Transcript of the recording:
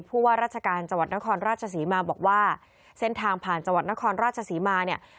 ผู้ว่าราชการจังหวัดนครราชศรีมาบอกว่าเส้นทางผ่านจังหวัดนครราชศรีมาเนี่ย